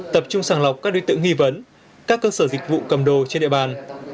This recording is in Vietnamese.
tập trung sàng lọc các đối tượng nghi vấn các cơ sở dịch vụ cầm đồ trên địa bàn